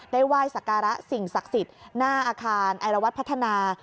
ไหว้สักการะสิ่งศักดิ์สิทธิ์หน้าอาคารไอรวัตรพัฒนา